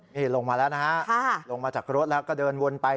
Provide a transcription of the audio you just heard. นี่ลงมาแล้วนะฮะลงมาจากรถแล้วก็เดินวนไป